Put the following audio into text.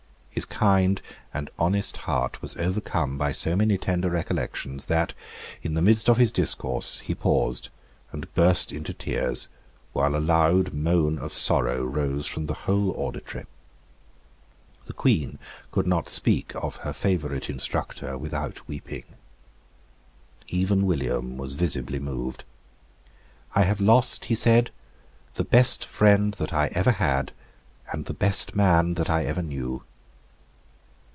His kind and honest heart was overcome by so many tender recollections that, in the midst of his discourse, he paused and burst into tears, while a loud moan of sorrow rose from the whole auditory. The Queen could not speak of her favourite instructor without weeping. Even William was visibly moved. "I have lost," he said, "the best friend that I ever had, and the best man that I ever knew."